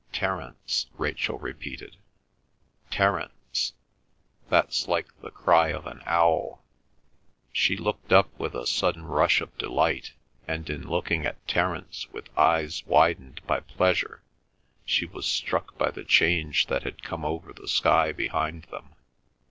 "Terence," Rachel repeated. "Terence—that's like the cry of an owl." She looked up with a sudden rush of delight, and in looking at Terence with eyes widened by pleasure she was struck by the change that had come over the sky behind them.